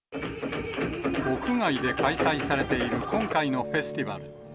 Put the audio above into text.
屋外で開催されている今回のフェスティバル。